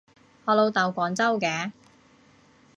我老豆廣州嘅